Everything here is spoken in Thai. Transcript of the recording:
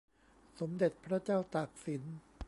สมเด็จพระเจ้าตากสิน